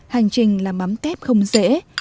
hành trình làm mắm tép không dễ